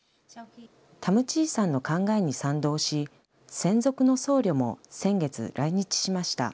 タム・チーさんの考えに賛同し、専属の僧侶も先月、来日しました。